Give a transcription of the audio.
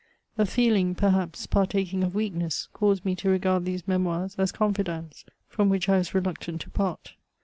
A feeling, perhaps, partaking of weakness, caused me to regard these Memoirs as con fidants, from which I was reluctant to part.